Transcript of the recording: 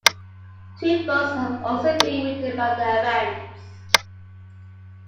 Two books have also been written about the events.